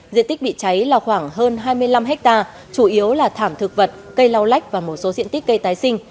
diện tích bị cháy là khoảng hơn hai mươi năm ha chủ yếu là thảm thực vật cây lau lách và một số diện tích cây tái sinh